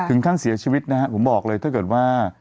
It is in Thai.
ถึงขั้นเสียชีวิตนะฮะผมบอกเลยถ้าเกิดว่า